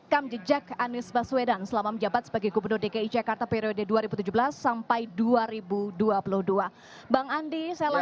gedung gereja pantai kosta di indonesia